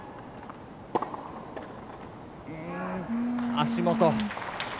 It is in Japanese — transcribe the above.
足元。